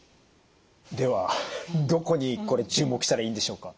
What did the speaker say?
ではどこにこれ注目したらいいんでしょうか？